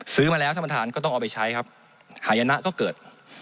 ซื้อมาแล้วท่านประธานก็ต้องเอาไปใช้ครับหายนะก็เกิด